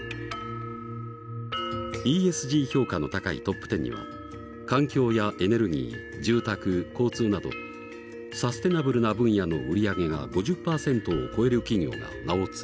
ＥＳＧ評価の高いトップテンには環境やエネルギー住宅交通などサステナブルな分野の売り上げが５０％を超える企業が名を連ねる。